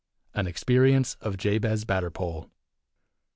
An Experience of Jabez Batterpole.